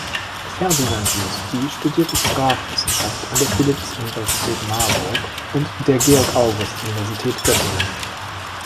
Ferdinand Justi studierte Sprachwissenschaft an der Philipps-Universität Marburg und der Georg-August-Universität Göttingen.